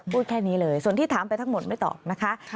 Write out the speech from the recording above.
พูดแค่นี้เลยส่วนที่ถามไปทั้งหมดไม่ตอบนะคะ